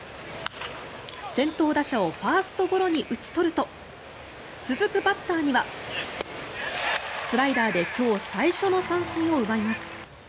先頭打者をファーストゴロに打ち取ると続くバッターにはスライダーで今日最初の三振を奪います。